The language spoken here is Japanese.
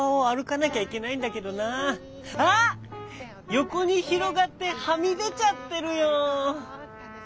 よこにひろがってはみでちゃってるよ。